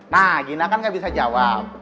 nah gina kan nggak bisa jawab